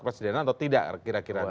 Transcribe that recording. kepresidenan atau tidak kira kira dalam